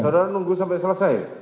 saudara nunggu sampai selesai